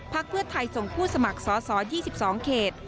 เพื่อไทยส่งผู้สมัครสอสอ๒๒เขต